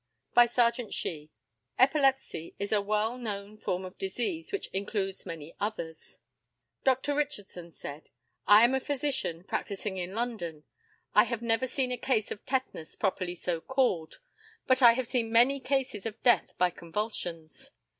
By Serjeant SHEE: Epilepsy is a well known form of disease which includes many others. Dr. RICHARDSON said: I am a physician, practising in London. I have never seen a case of tetanus, properly so called, but I have seen many cases of death by convulsions.